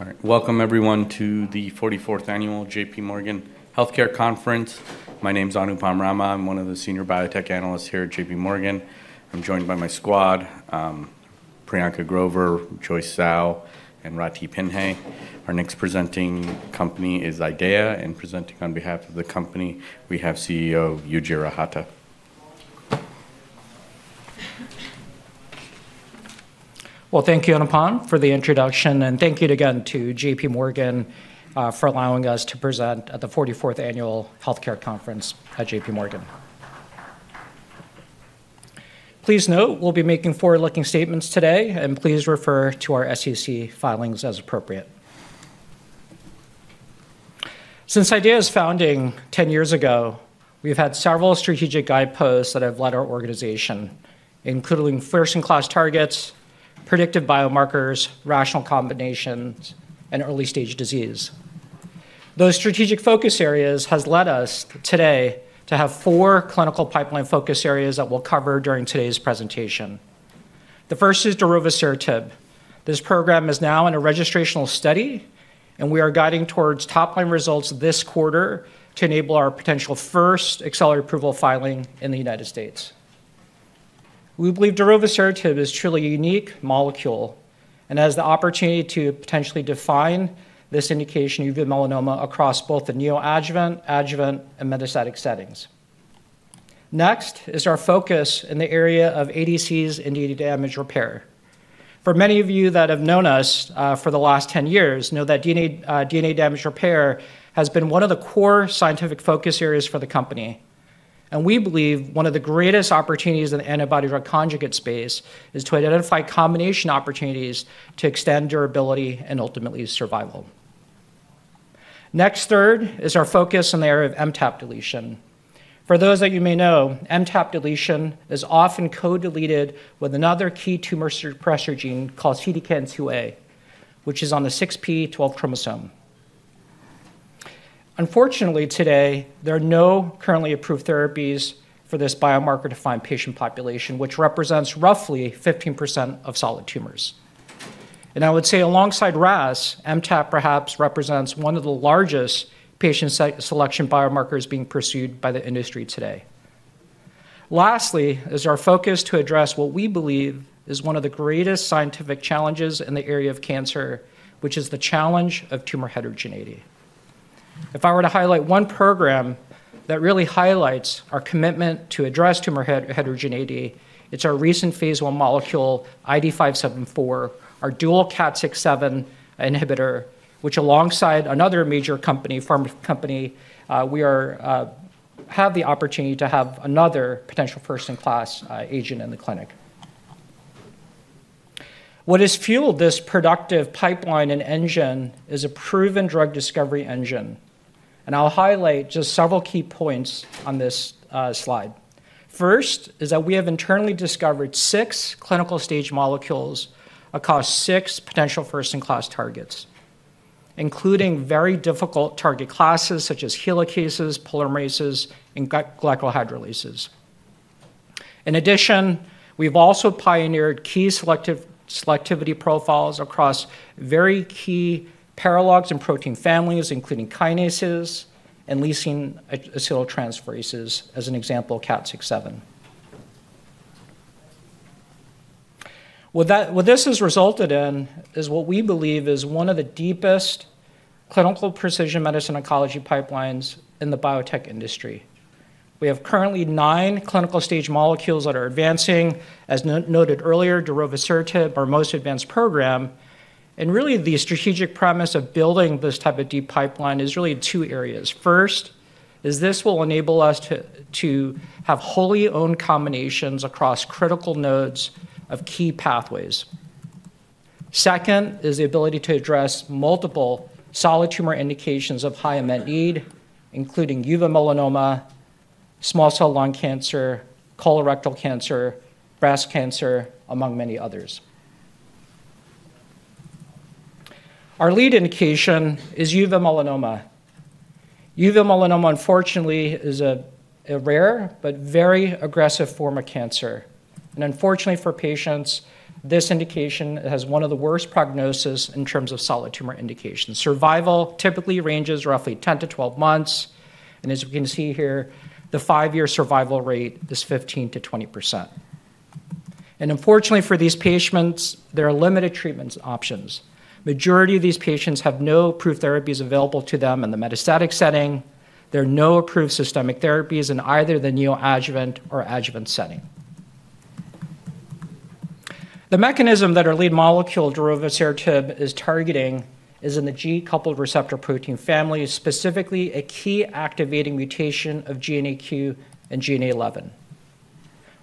All right, welcome everyone to the 44th Annual JPMorgan Healthcare Conference. My name's Anupam Rama. I'm one of the Senior Biotech Analysts here at J.P. Morgan. I'm joined by my squad: Priyanka Grover, Joyce Zhou, and Rathi Pillai. Our next presenting company is IDEAYA, and presenting on behalf of the company, we have CEO Yujiro Hata. Thank you, Anupam, for the introduction, and thank you again to JPMorgan for allowing us to present at the 44th Annual Healthcare Conference at J.P. Morgan. Please note, we'll be making forward-looking statements today, and please refer to our SEC filings as appropriate. Since IDEAYA's founding 10 years ago, we've had several strategic guideposts that have led our organization, including first-in-class targets, predictive biomarkers, rational combinations, and early-stage disease. Those strategic focus areas have led us today to have four clinical pipeline focus areas that we'll cover during today's presentation. The first is darovasertib. This program is now in a registrational study, and we are guiding towards top-line results this quarter to enable our potential first accelerated approval filing in the United States. We believe darovasertib is truly a unique molecule and has the opportunity to potentially define this indication of uveal melanoma across both the neoadjuvant, adjuvant, and metastatic settings. Next is our focus in the area of ADCs DNA damage repair. For many of you that have known us for the last 10 years know that DNA damage repair has been one of the core scientific focus areas for the company, and we believe one of the greatest opportunities in the antibody-drug conjugate space is to identify combination opportunities to extend durability and ultimately survival. Next, third, is our focus on the area of MTAP deletion. For those that you may know, MTAP deletion is often co-deleted with another key tumor suppressor gene called CDKN2A, which is on the 9p21 chromosome. Unfortunately, today, there are no currently approved therapies for this biomarker-defined patient population, which represents roughly 15% of solid tumors. And I would say, alongside RAS, MTAP perhaps represents one of the largest patient selection biomarkers being pursued by the industry today. Lastly, is our focus to address what we believe is one of the greatest scientific challenges in the area of cancer, which is the challenge of tumor heterogeneity. If I were to highlight one program that really highlights our commitment to address tumor heterogeneity, it's our recent phase I molecule, IDE574, our dual KAT6/7 inhibitor, which, alongside another major pharma company, we have the opportunity to have another potential first-in-class agent in the clinic. What has fueled this productive pipeline and engine is a proven drug discovery engine, and I'll highlight just several key points on this slide. First is that we have internally discovered six clinical stage molecules across six potential first-in-class targets, including very difficult target classes such as helicases, polymerases, and glycohydrolases. In addition, we've also pioneered key selectivity profiles across very key paralogs and protein families, including kinases and lysine acetyltransferases, as an example, KAT6. What this has resulted in is what we believe is one of the deepest clinical precision medicine oncology pipelines in the biotech industry. We have currently nine clinical stage molecules that are advancing, as noted earlier, darovasertib, our most advanced program, and really the strategic premise of building this type of deep pipeline is really two areas. First is this will enable us to have wholly owned combinations across critical nodes of key pathways. Second is the ability to address multiple solid tumor indications of high immune need, including uveal melanoma, small cell lung cancer, colorectal cancer, breast cancer, among many others. Our lead indication is uveal melanoma. Uveal melanoma, unfortunately, is a rare but very aggressive form of cancer, and unfortunately for patients, this indication has one of the worst prognoses in terms of solid tumor indications. Survival typically ranges roughly 10-12 months, and as we can see here, the five-year survival rate is 15%-20%. Unfortunately for these patients, there are limited treatment options. The majority of these patients have no approved therapies available to them in the metastatic setting. There are no approved systemic therapies in either the neoadjuvant or adjuvant setting. The mechanism that our lead molecule, darovasertib, is targeting is in the G protein-coupled receptor protein family, specifically a key activating mutation of GNAQ and GNA11.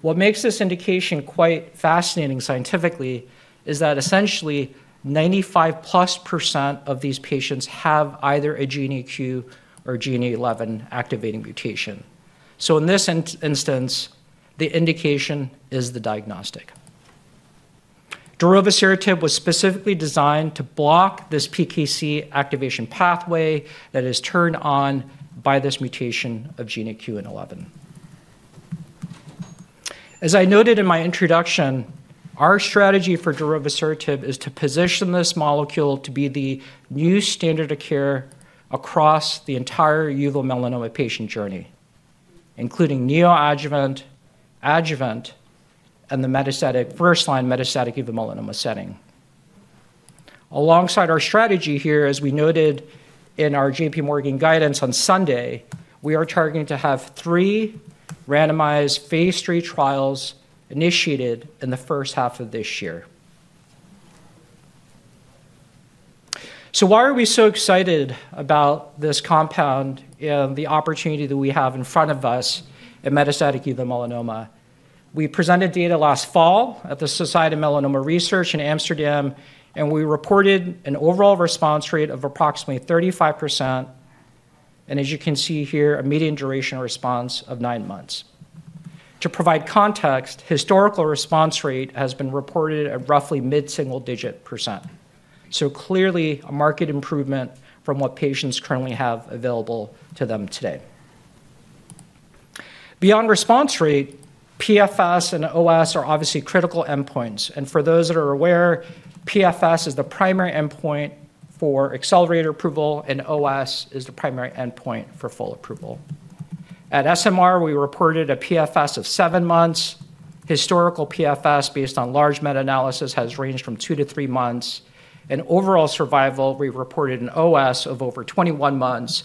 What makes this indication quite fascinating scientifically is that essentially 95%+ of these patients have either a GNAQ or GNA11 activating mutation. So in this instance, the indication is the diagnostic. Darovasertib was specifically designed to block this PKC activation pathway that is turned on by this mutation of GNAQ and GNA11. As I noted in my introduction, our strategy for darovasertib is to position this molecule to be the new standard of care across the entire uveal melanoma patient journey, including neoadjuvant, adjuvant, and the metastatic first-line metastatic uveal melanoma setting. Alongside our strategy here, as we noted in our J.P. Morgan guidance on Sunday, we are targeting to have three randomized phase III trials initiated in the first half of this year. So why are we so excited about this compound and the opportunity that we have in front of us in metastatic uveal melanoma? We presented data last fall at the Society for Melanoma Research in Amsterdam, and we reported an overall response rate of approximately 35%, and as you can see here, a median duration response of nine months. To provide context, historical response rate has been reported at roughly mid-single-digit %, so clearly a marked improvement from what patients currently have available to them today. Beyond response rate, PFS and OS are obviously critical endpoints, and for those that are aware, PFS is the primary endpoint for accelerated approval, and OS is the primary endpoint for full approval. At SMR, we reported a PFS of seven months. Historical PFS, based on large meta-analysis, has ranged from two to three months, and overall survival, we reported an OS of over 21 months,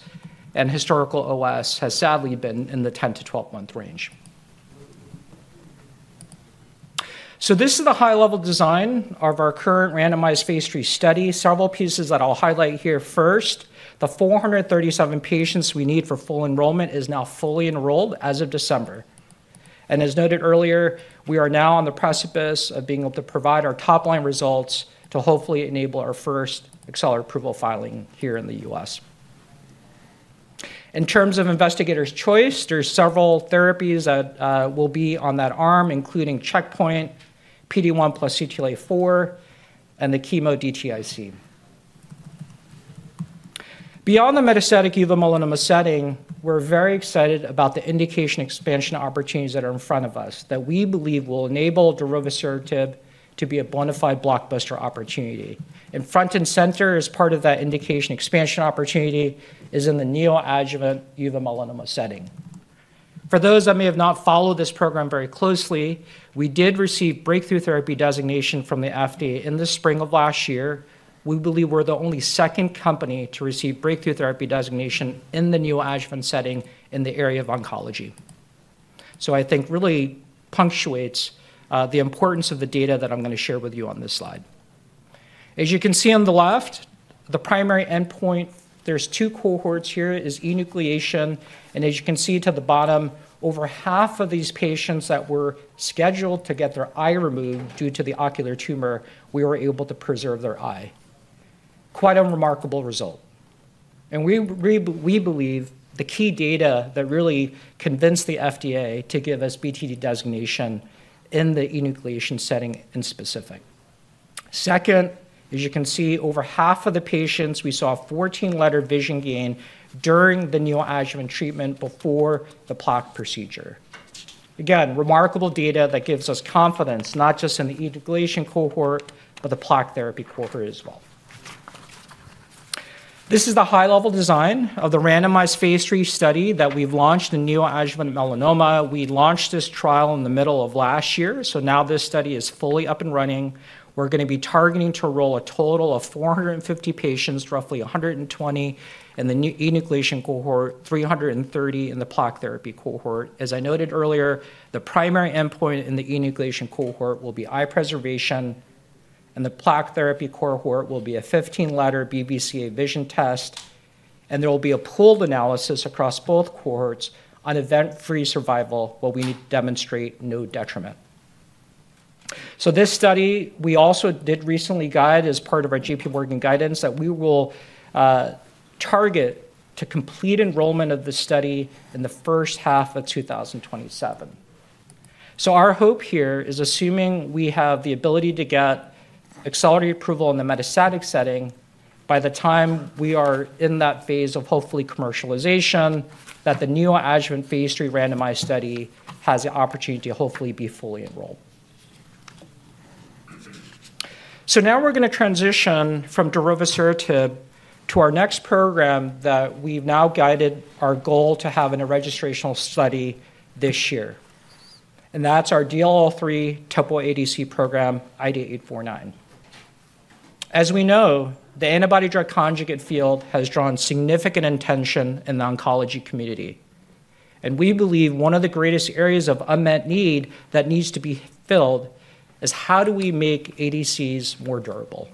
and historical OS has sadly been in the 10 to 12-month range. This is the high-level design of our current randomized phase III study. Several pieces that I'll highlight here first. The 437 patients we need for full enrollment are now fully enrolled as of December, and as noted earlier, we are now on the precipice of being able to provide our top-line results to hopefully enable our first accelerated approval filing here in the U.S. In terms of investigators' choice, there are several therapies that will be on that arm, including checkpoint, PD-1 plus CTLA4, and the chemo DTIC. Beyond the metastatic uveal melanoma setting, we're very excited about the indication expansion opportunities that are in front of us that we believe will enable darovasertib to be a bona fide blockbuster opportunity. And front and center as part of that indication expansion opportunity is in the neoadjuvant uveal melanoma setting. For those that may have not followed this program very closely, we did receive Breakthrough Therapy Designation from the FDA in the spring of last year. We believe we're the only second company to receive Breakthrough Therapy Designation in the neoadjuvant setting in the area of oncology. So I think really punctuates the importance of the data that I'm going to share with you on this slide. As you can see on the left, the primary endpoint, there's two cohorts here, is enucleation, and as you can see at the bottom, over half of these patients that were scheduled to get their eye removed due to the ocular tumor, we were able to preserve their eye. Quite a remarkable result, and we believe the key data that really convinced the FDA to give us BTD designation in the enucleation setting specifically. Second, as you can see, over half of the patients, we saw 14-letter vision gain during the neoadjuvant treatment before the plaque procedure. Again, remarkable data that gives us confidence not just in the enucleation cohort, but the plaque therapy cohort as well. This is the high-level design of the randomized phase III study that we've launched in neoadjuvant melanoma. We launched this trial in the middle of last year, so now this study is fully up and running. We're going to be targeting to enroll a total of 450 patients, roughly 120 in the enucleation cohort, 330 in the plaque therapy cohort. As I noted earlier, the primary endpoint in the enucleation cohort will be eye preservation, and the plaque therapy cohort will be a 15-letter BCVA vision test, and there will be a pooled analysis across both cohorts on event-free survival while we demonstrate no detriment. This study, we also did recently guide as part of our JPMorgan guidance that we will target to complete enrollment of the study in the first half of 2027. Our hope here is assuming we have the ability to get accelerated approval in the metastatic setting by the time we are in that phase of hopefully commercialization, that the neoadjuvant phase III randomized study has the opportunity to hopefully be fully enrolled. Now we're going to transition from darovasertib to our next program that we've now guided our goal to have in a registrational study this year, and that's our DLL3 TOPO-ADC program, IDE849. As we know, the antibody-drug conjugate field has drawn significant attention in the oncology community, and we believe one of the greatest areas of unmet need that needs to be filled is how do we make ADCs more durable.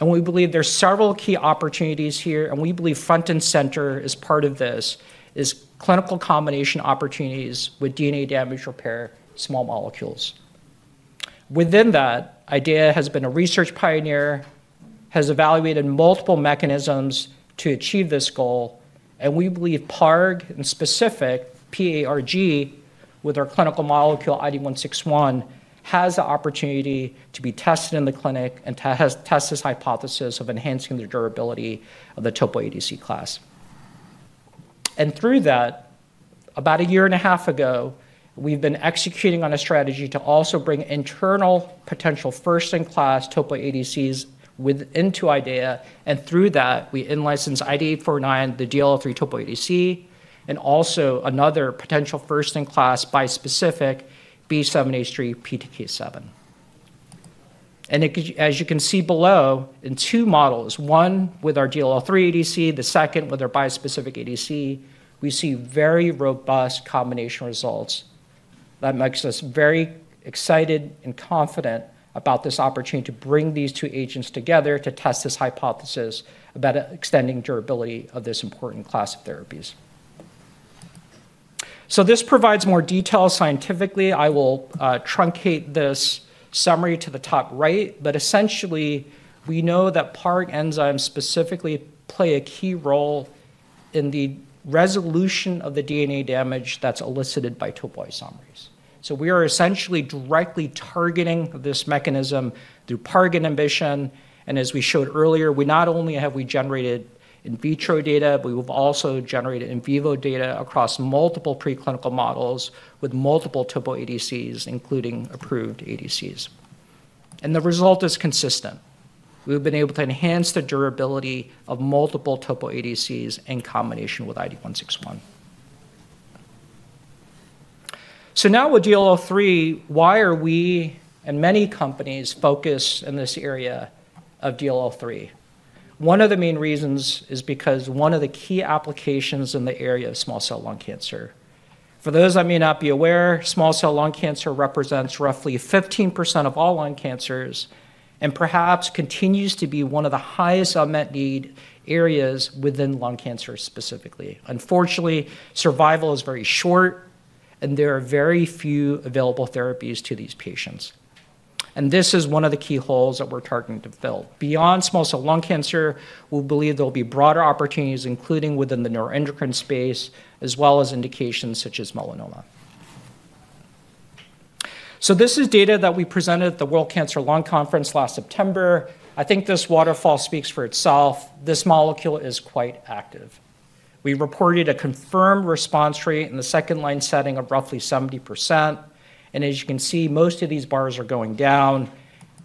We believe there are several key opportunities here, and we believe front and center as part of this is clinical combination opportunities with DNA damage repair small molecules. Within that, IDEAYA has been a research pioneer, has evaluated multiple mechanisms to achieve this goal, and we believe PARG, in specific PARG, with our clinical molecule IDE161, has the opportunity to be tested in the clinic and to test this hypothesis of enhancing the durability of the TOPO-ADC class. Through that, about a year and a half ago, we've been executing on a strategy to also bring internal potential first-in-class TOPO-ADCs into IDEAYA, and through that, we in-licensed IDE849, the DLL3 TOPO-ADC, and also another potential first-in-class bispecific B7H3 PTK7. As you can see below, in two models, one with our DLL3 ADC, the second with our bispecific ADC, we see very robust combination results that makes us very excited and confident about this opportunity to bring these two agents together to test this hypothesis about extending durability of this important class of therapies. This provides more detail scientifically. I will truncate this summary to the top right, but essentially we know that PARG enzymes specifically play a key role in the resolution of the DNA damage that's elicited by topoisomerase. We are essentially directly targeting this mechanism through PARG inhibition, and as we showed earlier, we not only have generated in vitro data, but we've also generated in vivo data across multiple preclinical models with multiple topoisomerase ADCs, including approved ADCs, and the result is consistent. We've been able to enhance the durability of multiple TOPO-ADCs in combination with IDE161. So now with DLL3, why are we and many companies focused in this area of DLL3? One of the main reasons is because one of the key applications in the area of small cell lung cancer. For those that may not be aware, small cell lung cancer represents roughly 15% of all lung cancers and perhaps continues to be one of the highest unmet need areas within lung cancer specifically. Unfortunately, survival is very short, and there are very few available therapies to these patients, and this is one of the key holes that we're targeting to fill. Beyond small cell lung cancer, we believe there will be broader opportunities, including within the neuroendocrine space, as well as indications such as melanoma. So this is data that we presented at the World Conference on Lung Cancer last September. I think this waterfall speaks for itself. This molecule is quite active. We reported a confirmed response rate in the second-line setting of roughly 70%, and as you can see, most of these bars are going down,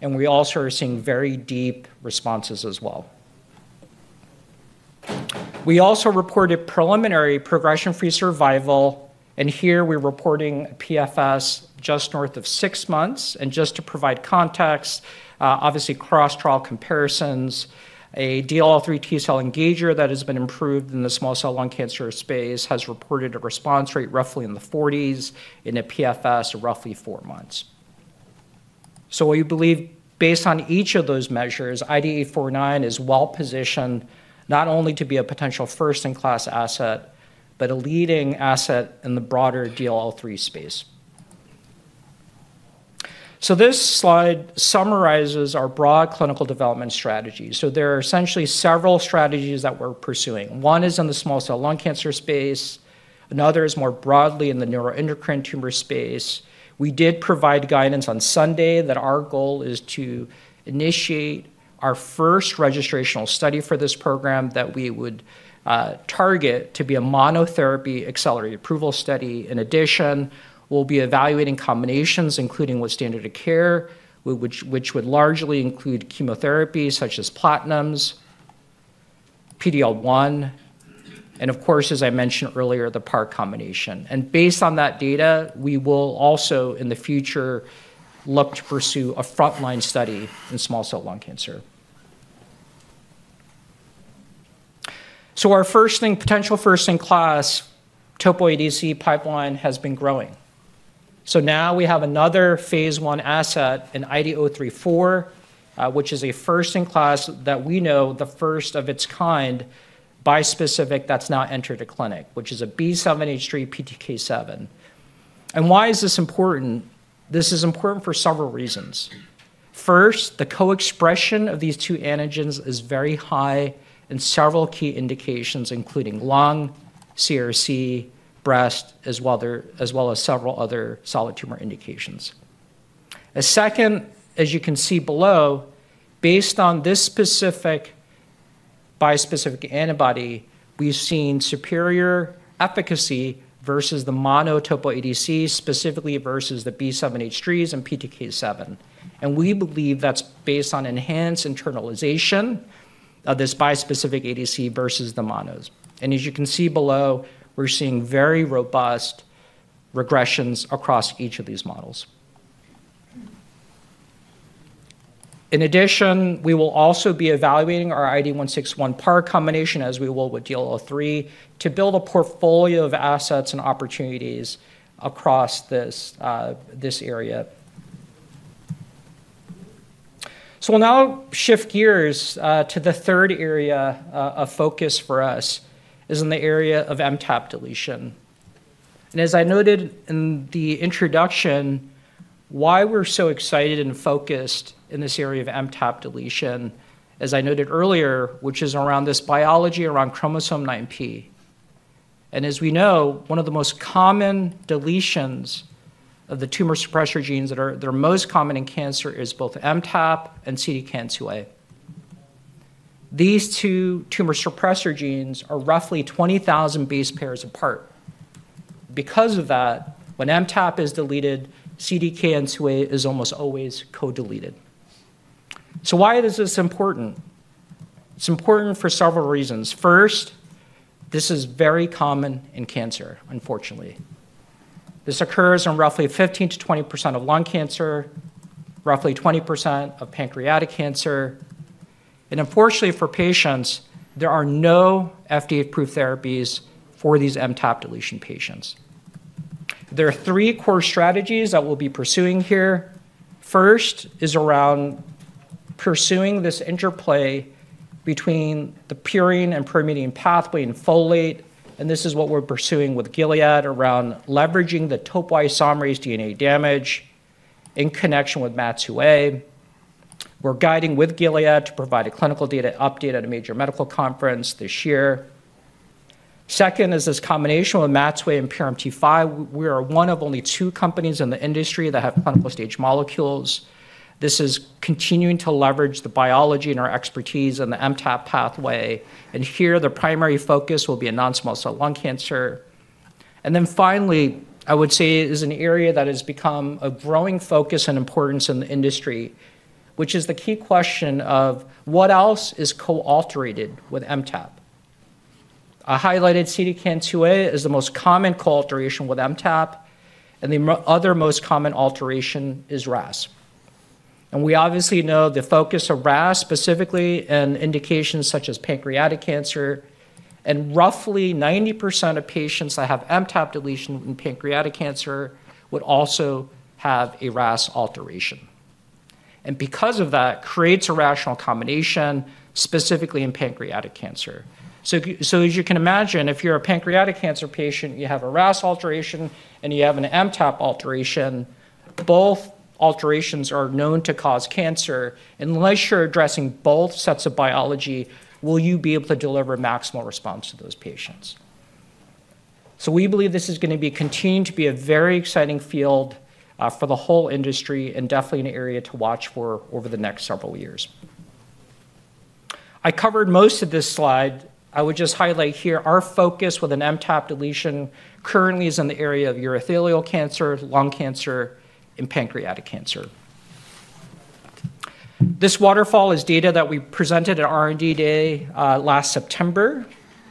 and we also are seeing very deep responses as well. We also reported preliminary progression-free survival, and here we're reporting PFS just north of six months. And just to provide context, obviously cross-trial comparisons, a DLL3 T-cell engager that has been approved in the small cell lung cancer space has reported a response rate roughly in the 40s in a PFS of roughly four months. So we believe based on each of those measures, IDE849 is well positioned not only to be a potential first-in-class asset, but a leading asset in the broader DLL3 space. This slide summarizes our broad clinical development strategies. There are essentially several strategies that we're pursuing. One is in the small cell lung cancer space. Another is more broadly in the neuroendocrine tumor space. We did provide guidance on Sunday that our goal is to initiate our first registrational study for this program that we would target to be a monotherapy accelerated approval study. In addition, we'll be evaluating combinations, including with standard of care, which would largely include chemotherapy such as platinums, PD-L1, and of course, as I mentioned earlier, the PARG combination. Based on that data, we will also in the future look to pursue a front-line study in small cell lung cancer. Our first potential first-in-class TOPO-ADC pipeline has been growing. So now we have another phase I asset in IDE034, which is a first-in-class that we know the first of its kind bispecific that's now entered a clinic, which is a B7H3 PTK7. And why is this important? This is important for several reasons. First, the co-expression of these two antigens is very high in several key indications, including lung, CRC, breast, as well as several other solid tumor indications. Second, as you can see below, based on this specific bispecific antibody, we've seen superior efficacy versus the mono TOPO-ADC, specifically versus the B7H3s and PTK7, and we believe that's based on enhanced internalization of this bispecific ADC versus the monos. And as you can see below, we're seeing very robust regressions across each of these models. In addition, we will also be evaluating our IDE161 PARG combination as we will with DLL3 to build a portfolio of assets and opportunities across this area. We'll now shift gears to the third area of focus for us, which is in the area of MTAP deletion. As I noted in the introduction, why we're so excited and focused in this area of MTAP deletion, as I noted earlier, which is around this biology around chromosome 9p. As we know, one of the most common deletions of the tumor suppressor genes that are most common in cancer is both MTAP and CDKN2A. These two tumor suppressor genes are roughly 20,000 base pairs apart. Because of that, when MTAP is deleted, CDKN2A is almost always co-deleted. So why is this important? It's important for several reasons. First, this is very common in cancer, unfortunately. This occurs in roughly 15%-20% of lung cancer, roughly 20% of pancreatic cancer, and unfortunately for patients, there are no FDA-approved therapies for these MTAP deletion patients. There are three core strategies that we'll be pursuing here. First is around pursuing this interplay between the purine and pyrimidine pathway in folate, and this is what we're pursuing with Gilead around leveraging the topoisomerase DNA damage in connection with MAT2A. We're guiding with Gilead to provide a clinical data update at a major medical conference this year. Second is this combination with MAT2A and PRMT5. We are one of only two companies in the industry that have clinical stage molecules. This is continuing to leverage the biology and our expertise in the MTAP pathway, and here the primary focus will be in non-small cell lung cancer. Then finally, I would say it is an area that has become a growing focus and importance in the industry, which is the key question of what else is co-altered with MTAP. I highlighted CDKN2A as the most common co-alteration with MTAP, and the other most common alteration is RAS. We obviously know the focus of RAS specifically in indications such as pancreatic cancer, and roughly 90% of patients that have MTAP deletion in pancreatic cancer would also have a RAS alteration. Because of that, it creates a rational combination specifically in pancreatic cancer. So as you can imagine, if you're a pancreatic cancer patient, you have a RAS alteration, and you have an MTAP alteration, both alterations are known to cause cancer. Unless you're addressing both sets of biology, will you be able to deliver maximal response to those patients? We believe this is going to continue to be a very exciting field for the whole industry and definitely an area to watch for over the next several years. I covered most of this slide. I would just highlight here our focus with an MTAP deletion currently is in the area of urothelial cancer, lung cancer, and pancreatic cancer. This waterfall is data that we presented at R&D Day last September,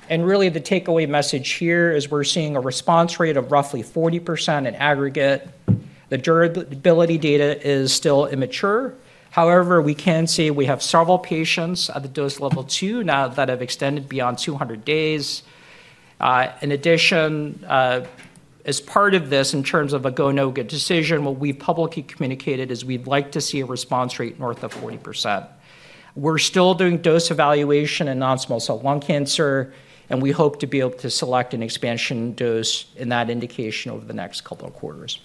and really the takeaway message here is we're seeing a response rate of roughly 40% in aggregate. The durability data is still immature. However, we can see we have several patients at the dose level two now that have extended beyond 200 days. In addition, as part of this in terms of a go/no-go decision, what we publicly communicated is we'd like to see a response rate north of 40%. We're still doing dose evaluation in non-small cell lung cancer, and we hope to be able to select an expansion dose in that indication over the next couple of quarters.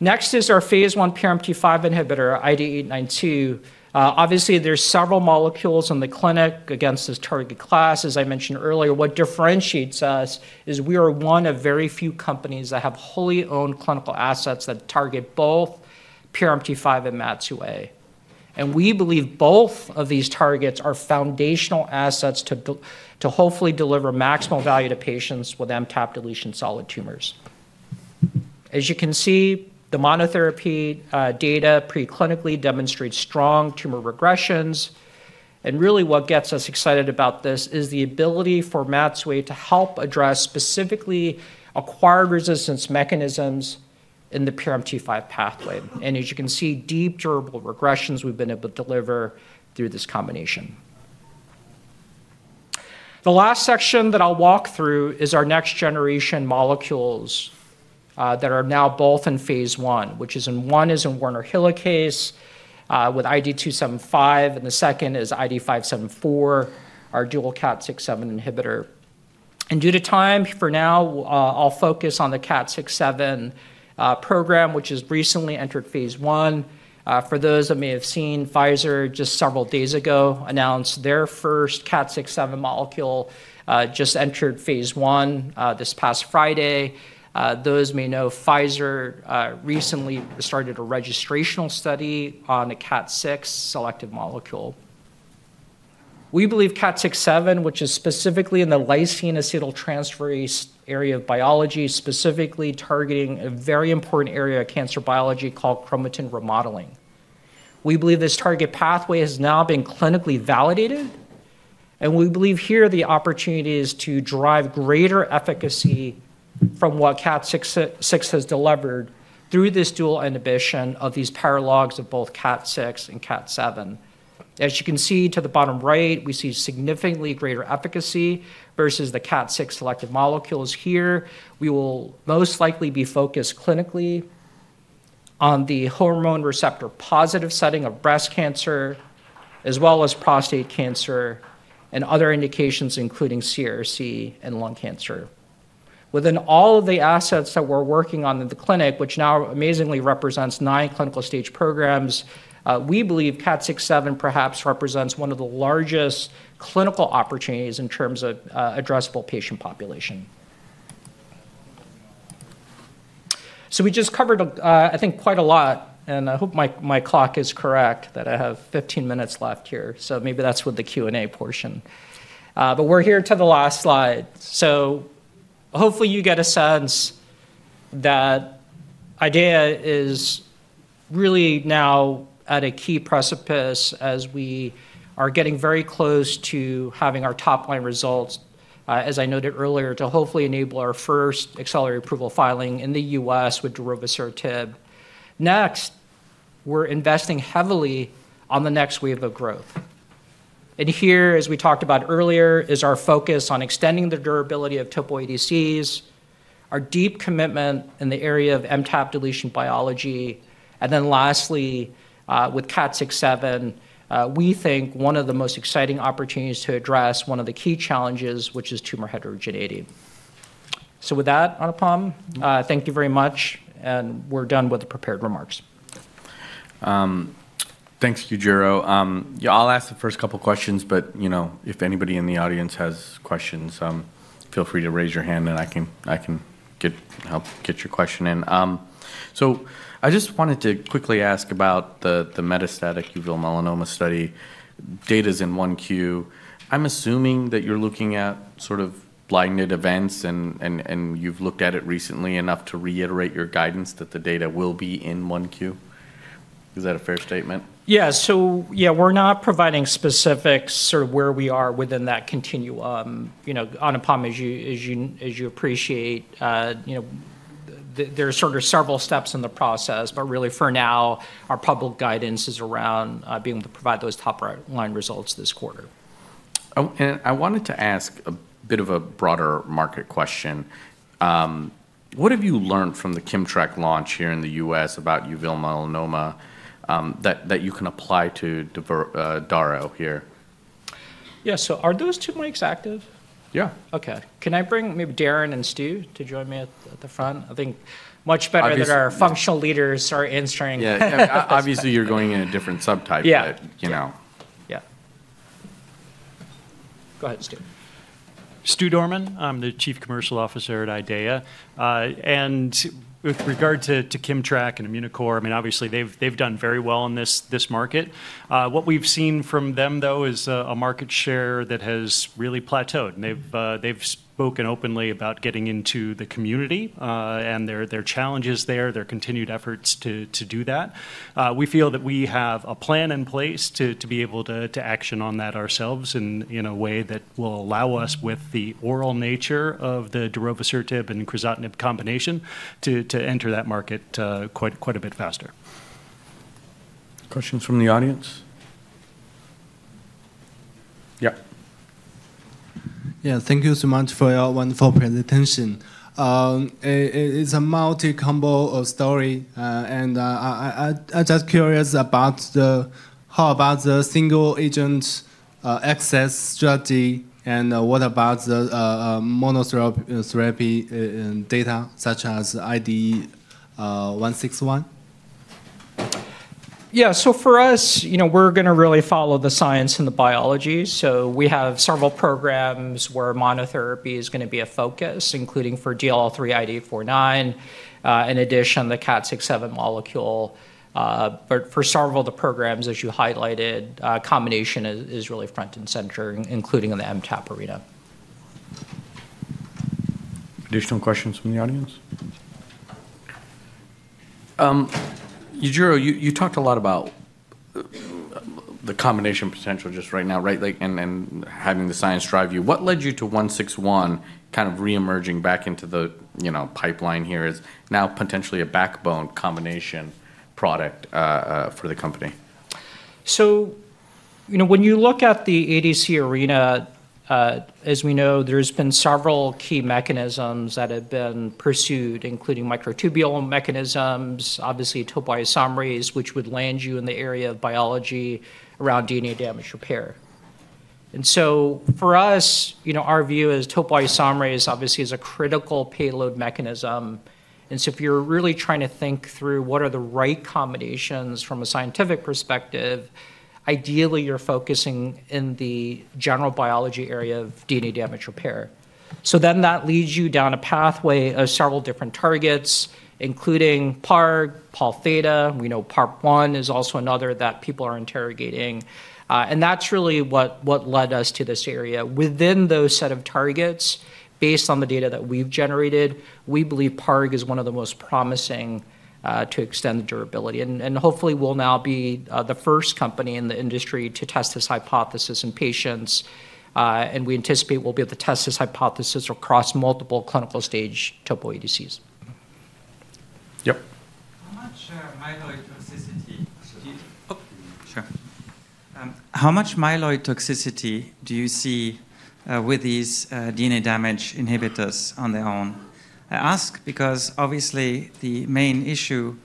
Next is our phase I PRMT5 inhibitor, IDE892. Obviously, there are several molecules in the clinic against this target class. As I mentioned earlier, what differentiates us is we are one of very few companies that have wholly owned clinical assets that target both PRMT5 and MAT2A, and we believe both of these targets are foundational assets to hopefully deliver maximal value to patients with MTAP deletion solid tumors. As you can see, the monotherapy data preclinically demonstrates strong tumor regressions, and really what gets us excited about this is the ability for MAT2A to help address specifically acquired resistance mechanisms in the PRMT5 pathway. And as you can see, deep durable regressions we've been able to deliver through this combination. The last section that I'll walk through is our next generation molecules that are now both in phase I, which one is in Werner helicase with IDE275, and the second is IDE574, our dual KAT6/7 inhibitor. Due to time for now, I'll focus on the KAT6/7 program, which has recently entered phase I. For those that may have seen Pfizer just several days ago announce their first KAT6/7 molecule, just entered phase I this past Friday. Those may know Pfizer recently started a registrational study on a KAT6 selective molecule. We believe KAT6/7, which is specifically in the lysine acetyltransferase area of biology, specifically targeting a very important area of cancer biology called chromatin remodeling. We believe this target pathway has now been clinically validated, and we believe here the opportunity is to drive greater efficacy from what KAT6 has delivered through this dual inhibition of these paralogs of both KAT6 and KAT7. As you can see to the bottom right, we see significantly greater efficacy versus the KAT6 selective molecules. Here, we will most likely be focused clinically on the hormone receptor positive setting of breast cancer, as well as prostate cancer and other indications, including CRC and lung cancer. Within all of the assets that we're working on in the clinic, which now amazingly represents nine clinical stage programs, we believe KAT6/7 perhaps represents one of the largest clinical opportunities in terms of addressable patient population. So we just covered, I think, quite a lot, and I hope my clock is correct that I have 15 minutes left here, so maybe that's with the Q&A portion. But we're here at the last slide. So hopefully you get a sense that IDEAYA is really now at a key precipice as we are getting very close to having our top-line results, as I noted earlier, to hopefully enable our first accelerated approval filing in the U.S. with darovasertib. Next, we're investing heavily on the next wave of growth. And here, as we talked about earlier, is our focus on extending the durability of TOPO-ADCs, our deep commitment in the area of MTAP deletion biology, and then lastly, with KAT6/7, we think one of the most exciting opportunities to address one of the key challenges, which is tumor heterogeneity. So with that, Anupam, thank you very much, and we're done with the prepared remarks. Thanks, Yujiro. I'll ask the first couple of questions, but if anybody in the audience has questions, feel free to raise your hand, and I can help get your question in. So I just wanted to quickly ask about the metastatic uveal melanoma study. Data's in 1Q. I'm assuming that you're looking at sort of blinded events, and you've looked at it recently enough to reiterate your guidance that the data will be in 1Q. Is that a fair statement? Yeah. So yeah, we're not providing specifics sort of where we are within that continuum. Anupam, as you appreciate, there are sort of several steps in the process, but really for now, our public guidance is around being able to provide those top-line results this quarter. And I wanted to ask a bit of a broader market question. What have you learned from the Kimmtrak launch here in the U.S. about uveal melanoma that you can apply to darovasertib here? Yeah. So are those two mics active? Yeah. Okay. Can I bring maybe Darrin and Stu to join me at the front? I think much better that our functional leaders are answering. Obviously, you're going in a different subtype. Yeah. But, you know. Yeah Go ahead, Stu. Stu Dorman, I'm the Chief Commercial Officer at IDEAYA. With regard to Kimmtrak and Immunocore, I mean, obviously, they've done very well in this market. What we've seen from them, though, is a market share that has really plateaued, and they've spoken openly about getting into the community, and there are challenges there, there are continued efforts to do that. We feel that we have a plan in place to be able to action on that ourselves in a way that will allow us, with the oral nature of the darovasertib and crizotinib combination, to enter that market quite a bit faster. Questions from the audience? Yeah. Yeah. Thank you so much for your wonderful presentation. It's a multi-combo story, and I'm just curious about how about the single-agent access strategy and what about the monotherapy data such as IDE161? Yeah. So for us, we're going to really follow the science and the biology. So we have several programs where monotherapy is going to be a focus, including for DLL3 IDE849, in addition to the KAT6/7 molecule. But for several of the programs, as you highlighted, combination is really front and center, including in the MTAP arena. Additional questions from the audience? Yujiro, you talked a lot about the combination potential just right now, right, and having the science drive you. What led you to 161 kind of reemerging back into the pipeline here as now potentially a backbone combination product for the company? When you look at the ADC arena, as we know, there have been several key mechanisms that have been pursued, including microtubule mechanisms, obviously topoisomerase, which would land you in the area of biology around DNA damage repair. For us, our view is topoisomerase obviously is a critical payload mechanism. If you're really trying to think through what are the right combinations from a scientific perspective, ideally you're focusing in the general biology area of DNA damage repair. That leads you down a pathway of several different targets, including PARG, Pol theta. We know PARP1 is also another that people are interrogating, and that's really what led us to this area. Within those set of targets, based on the data that we've generated, we believe PARG is one of the most promising to extend the durability. Hopefully, we'll now be the first company in the industry to test this hypothesis in patients, and we anticipate we'll be able to test this hypothesis across multiple clinical stage TOPO-ADCs. Yep. How much myeloid toxicity do you see? Oh, sure. How much myeloid toxicity do you see with these DNA damage inhibitors on their own? I ask because obviously the main issue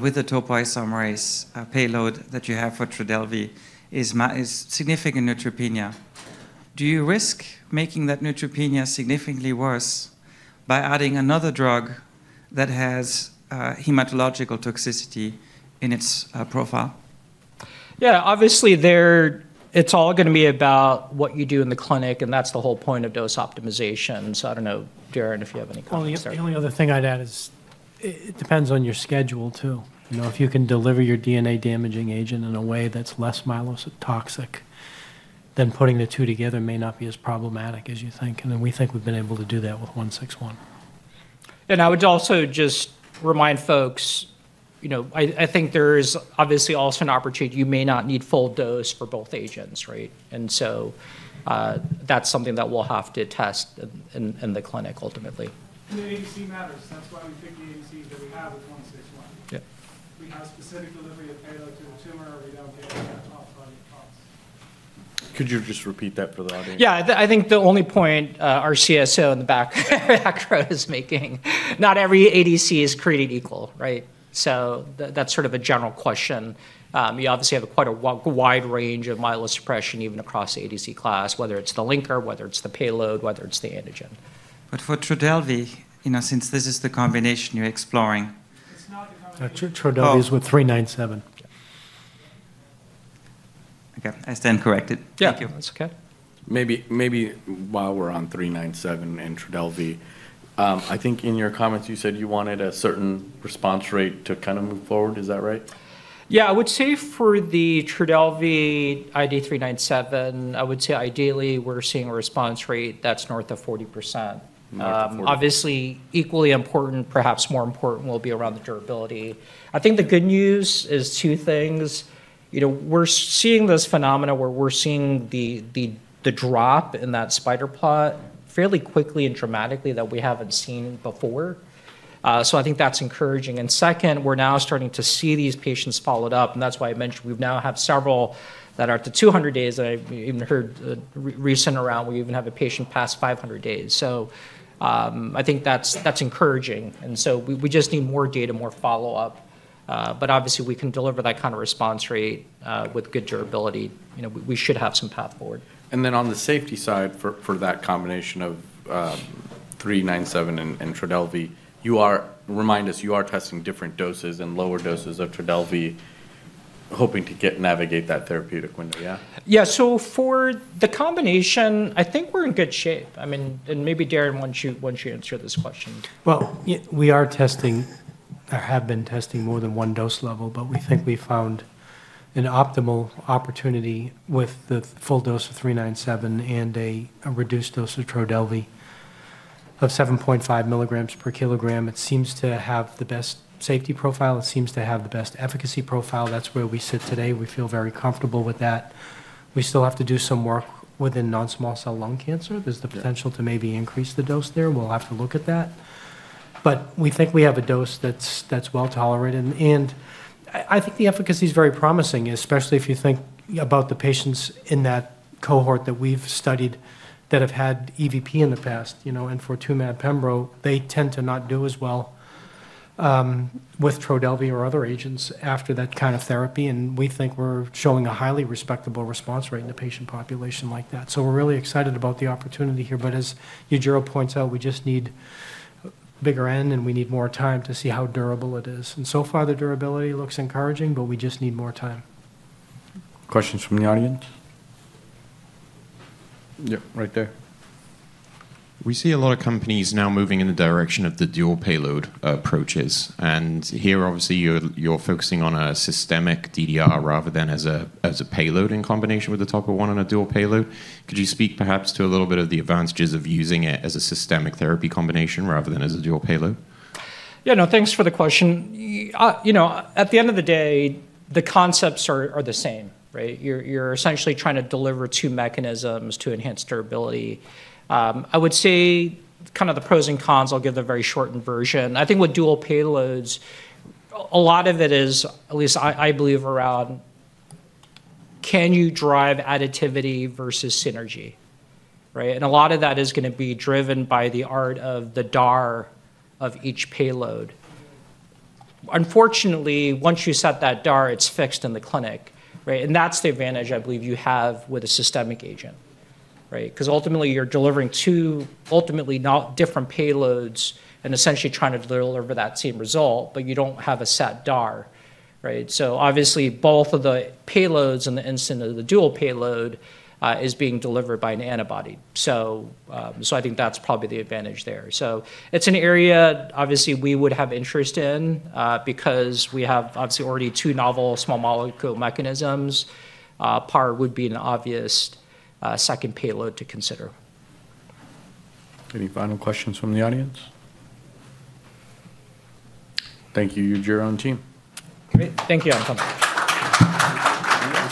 with the topoisomerase payload that you have for Trodelvy is significant neutropenia. Do you risk making that neutropenia significantly worse by adding another drug that has hematological toxicity in its profile? Yeah. Obviously, it's all going to be about what you do in the clinic, and that's the whole point of dose optimization. So I don't know, Darrin, if you have any comments? The only other thing I'd add is it depends on your schedule too. If you can deliver your DNA damaging agent in a way that's less myelotoxic, then putting the two together may not be as problematic as you think. And we think we've been able to do that with 161. I would also just remind folks, I think there is obviously also an opportunity you may not need full dose for both agents, right? So that's something that we'll have to test in the clinic ultimately. And the ADC matters. That's why we pick the ADC that we have with 161. We have specific delivery of payload to the tumor. We don't get that off-target cost. Could you just repeat that for the audience? Yeah. I think the only point our CSO in the back row is making, not every ADC is created equal, right? So that's sort of a general question. You obviously have quite a wide range of myelosuppression even across the ADC class, whether it's the linker, whether it's the payload, whether it's the antigen. But for Trodelvy, since this is the combination you're exploring. Trodelvy is with 397. Okay. I stand corrected. Yeah. Thank you. That's okay. Maybe while we're on 397 and Trodelvy, I think in your comments you said you wanted a certain response rate to kind of move forward. Is that right? Yeah. I would say for the Trodelvy IDE397, I would say ideally we're seeing a response rate that's north of 40%. Obviously, equally important, perhaps more important, will be around the durability. I think the good news is two things. We're seeing this phenomenon where we're seeing the drop in that spider plot fairly quickly and dramatically that we haven't seen before. So I think that's encouraging, and second, we're now starting to see these patients followed up, and that's why I mentioned we now have several that are up to 200 days. I even heard recently around we even have a patient past 500 days. So I think that's encouraging, and so we just need more data, more follow-up. But obviously, we can deliver that kind of response rate with good durability. We should have some path forward. And then on the safety side for that combination of 397 and Trodelvy, remind us you're testing different doses and lower doses of Trodelvy, hoping to navigate that therapeutic window, yeah? Yeah. So for the combination, I think we're in good shape. I mean, and maybe Darrin wants you to answer this question. We are testing or have been testing more than one dose level, but we think we found an optimal opportunity with the full dose of 397 and a reduced dose of Trodelvy of 7.5 mg per kilogram. It seems to have the best safety profile. It seems to have the best efficacy profile. That's where we sit today. We feel very comfortable with that. We still have to do some work within non-small cell lung cancer. There's the potential to maybe increase the dose there. We'll have to look at that, but we think we have a dose that's well tolerated, and I think the efficacy is very promising, especially if you think about the patients in that cohort that we've studied that have had EV-P in the past, and for TMB and pembro, they tend to not do as well with Trodelvy or other agents after that kind of therapy. And we think we're showing a highly respectable response rate in the patient population like that. So we're really excited about the opportunity here. But as Yujiro points out, we just need a bigger N, and we need more time to see how durable it is. And so far, the durability looks encouraging, but we just need more time. Questions from the audience? Yeah, right there. We see a lot of companies now moving in the direction of the dual payload approaches. And here, obviously, you're focusing on a systemic DDR rather than as a payload in combination with a TOPO-1 and a dual payload. Could you speak perhaps to a little bit of the advantages of using it as a systemic therapy combination rather than as a dual payload? Yeah. No, thanks for the question. At the end of the day, the concepts are the same, right? You're essentially trying to deliver two mechanisms to enhance durability. I would say kind of the pros and cons, I'll give the very shortened version. I think with dual payloads, a lot of it is, at least I believe, around can you drive additivity versus synergy, right? And a lot of that is going to be driven by the art of the DAR of each payload. Unfortunately, once you set that DAR, it's fixed in the clinic, right? And that's the advantage I believe you have with a systemic agent, right? Because ultimately, you're delivering two ultimately different payloads and essentially trying to deliver that same result, but you don't have a set DAR, right? So obviously, both of the payloads in the instance of the dual payload are being delivered by an antibody. So I think that's probably the advantage there. So it's an area obviously we would have interest in because we have obviously already two novel small molecule mechanisms. PAR would be an obvious second payload to consider. Any final questions from the audience? Thank you, Yujiro and team. Great. Thank you, Anupam.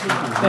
Thank you.